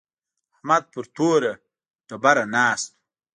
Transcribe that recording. احمد پر توره ډبره ناست و.